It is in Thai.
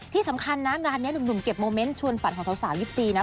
ที่สำคัญนะงานนี้หนุ่มเก็บโมเมนต์ชวนฝันของสาว๒๔นะ